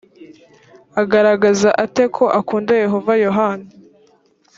agaragaza ate ko akunda yehova yohana